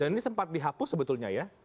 ini sempat dihapus sebetulnya ya